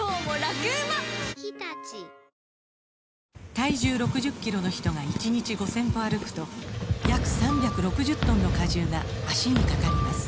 体重６０キロの人が１日５０００歩歩くと約３６０トンの荷重が脚にかかります